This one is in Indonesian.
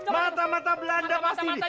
mata mata belanda pasti